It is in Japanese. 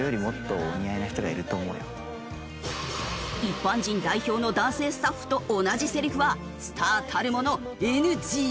一般人代表の男性スタッフと同じセリフはスターたるものＮＧ！